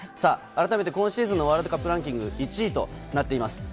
あらためて今シーズンのワールドカップランキング１位となっています。